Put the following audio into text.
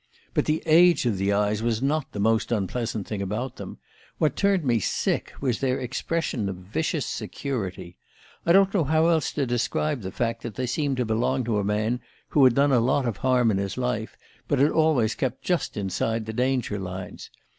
"But the age of the eyes was not the most unpleasant thing about them. What turned me sick was their expression of vicious security. I don't know how else to describe the fact that they seemed to belong to a man who had done a lot of harm in his life, but had always kept just inside the danger lines.